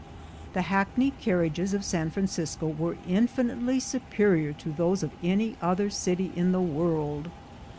The hackney carriages of San Francisco were in finitely superior to those of any other city in the world.